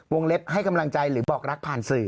เล็บให้กำลังใจหรือบอกรักผ่านสื่อ